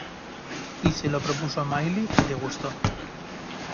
Y se lo propuso a Miley y le gustó.